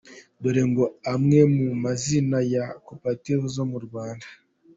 Dore ngo amwe mu mazina ya Koperative zo mu Rwanda.